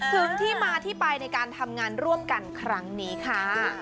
ถึงที่มาที่ไปในการทำงานร่วมกันครั้งนี้ค่ะ